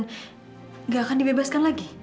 tidak akan dibebaskan lagi